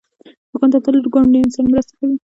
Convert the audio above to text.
دوکاندار تل له ګاونډیانو سره مرسته کوي.